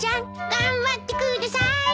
頑張ってください。